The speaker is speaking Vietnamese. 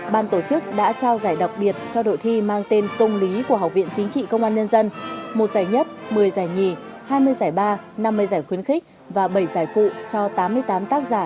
ban tổ chức đã trao giải đặc biệt cho đội thi mang tên công lý của học viện chính trị công an nhân dân một giải nhất một mươi giải nhì hai mươi giải ba năm mươi giải khuyến khích và bảy giải phụ cho tám mươi tám tác giả